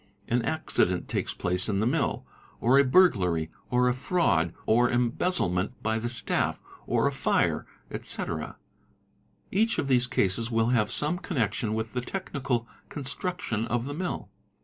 An accident takes place in the mill, or a burglary, or a fraud or embezzlement by the staff, or a fire, etc. Hach of these cases will have some connection with the technical constructio a of the mill.